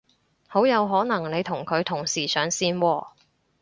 好有可能你同佢同時上線喎